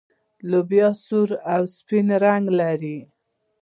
لوبیا سور او سپین رنګ لري.